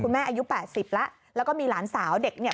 แม่อายุ๘๐แล้วแล้วก็มีหลานสาวเด็กเนี่ย